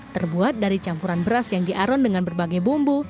terbuat dari campuran beras yang diaron dengan berbagai bumbu